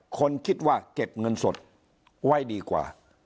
คนคิดว่าเก็บเงินสดไว้ดีกว่า